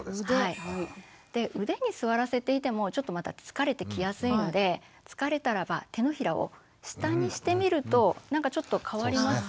で腕に座らせていてもちょっとまた疲れてきやすいので疲れたらば手のひらを下にしてみるとなんかちょっと変わります？